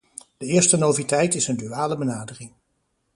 De eerste noviteit is een duale benadering.